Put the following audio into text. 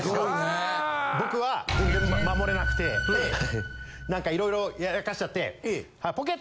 僕は全然守れなくてなんか色々やらかしちゃって。